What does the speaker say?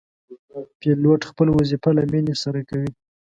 پیلوټ خپل وظیفه له مینې سره کوي.